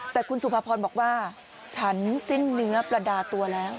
แต่คุณสุภาพรบอกว่าฉันสิ้นเนื้อประดาตัวแล้ว